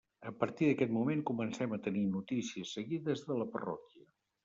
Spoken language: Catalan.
A partir d'aquest moment comencem a tenir notícies seguides de la parròquia.